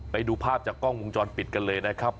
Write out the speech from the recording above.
ไปดูภาพจากกล้องวงจรปิดกันเลยนะครับ